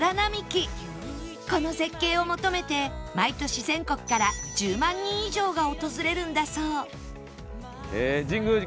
この絶景を求めて毎年全国から１０万人以上が訪れるんだそう